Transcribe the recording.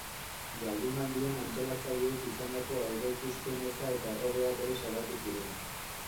Jardunaldian antolatzaileek izandako aurreikuspen eza eta erroreak ere salatu ziren.